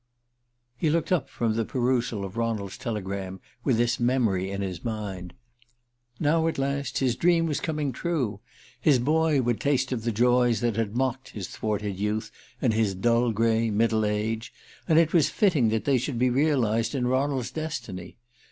He looked up from the perusal of Ronald's telegram with this memory in his mind. Now at last his dream was coming true! His boy would taste of the joys that had mocked his thwarted youth and his dull gray middle age. And it was fitting that they should be realized in Ronald's destiny.